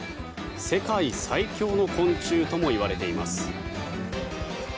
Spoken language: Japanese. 世界最強の昆虫ともいわれています。